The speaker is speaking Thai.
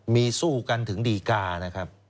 มีสู้กันถึงดีกานะครับ